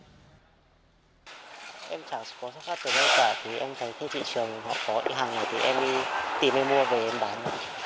trên bãi cả thì em thấy các thị trường họ có hàng này thì em đi tìm em mua về em bán